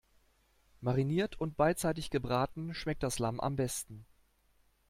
Mariniert und beidseitig gebraten schmeckt das Lamm am besten.